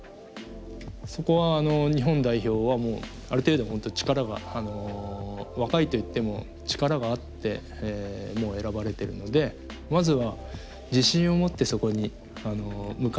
そこは日本代表はもうある程度本当に力が若いと言っても力があって選ばれてるのでまずは自信を持ってそこに向かっていけるように。